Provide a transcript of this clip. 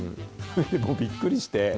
もうびっくりして。